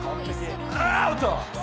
アウト。